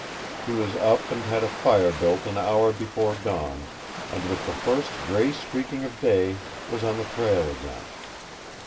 He was up and had a fire built an hour before dawn, and with the first gray streaking of day was on the trail again.